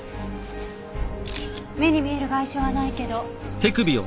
目に見える外傷はないけど。